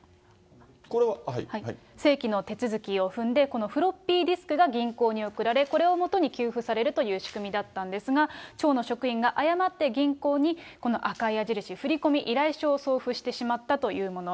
正規の手続きを踏んで、このフロッピーディスクが銀行に送られ、これをもとに、給付されるという仕組みだったんですが、町の職員が誤って銀行にこの赤い矢印、振込依頼書を送付してしまったというもの。